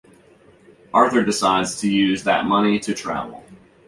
Arthur decides to use that money to travel.